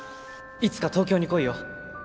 いつか東京に来いよ。